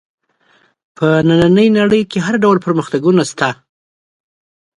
په نننۍ نړۍ کې هر ډول پرمختګونه شته.